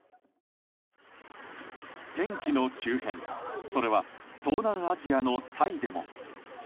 天気の急変、それは東南アジアのタイでも。